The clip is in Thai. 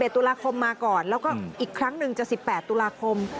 ตุลาคมมาก่อนแล้วก็อีกครั้งหนึ่งจะ๑๘ตุลาคม